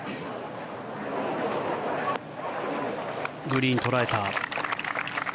グリーン、捉えた。